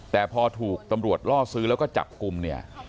แต่พอถูกตำรวจล่อซื้อแล้วก็จับกลุ่มเนี่ย